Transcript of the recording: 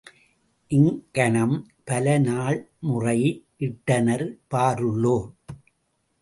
இங்கனம் பல நாள் முறை யிட்டனர் பாருளோர்.